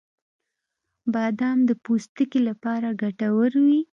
• بادام د پوستکي لپاره ګټور وي.